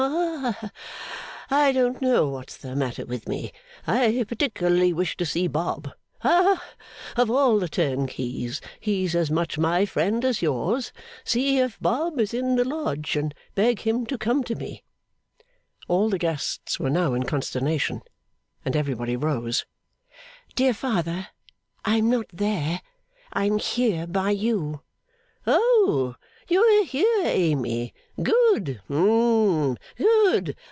Ha. I don't know what's the matter with me. I particularly wish to see Bob. Ha. Of all the turnkeys, he's as much my friend as yours. See if Bob is in the lodge, and beg him to come to me.' All the guests were now in consternation, and everybody rose. 'Dear father, I am not there; I am here, by you.' 'Oh! You are here, Amy! Good. Hum.